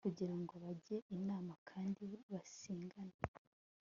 kugira ngo bajye inama kandi basengane